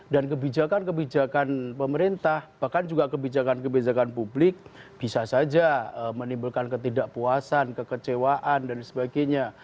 dan kebijakan kebijakan pemerintah bahkan juga kebijakan kebijakan publik bisa saja menimbulkan ketidakpuasan kekecewaan dan sebagainya